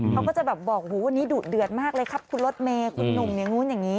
เขาก็จะแบบบอกหูวันนี้ดุเดือดมากเลยครับคุณรถเมย์คุณหนุ่มอย่างนู้นอย่างนี้